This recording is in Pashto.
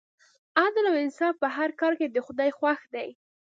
عدل او انصاف په هر کار کې د خدای خوښ دی.